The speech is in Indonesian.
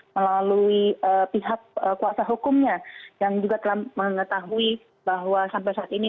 melalui pihak kuasa hukumnya yang juga telah mengetahui bahwa sampai saat ini